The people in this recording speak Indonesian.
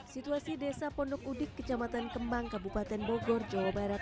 situasi desa pondok udik kecamatan kembang kabupaten bogor jawa barat